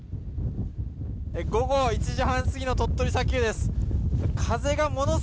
午後１時半過ぎの鳥取砂丘です。